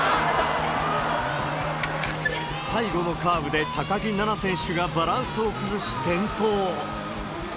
最後のカーブで高木菜那選手がバランスを崩し転倒。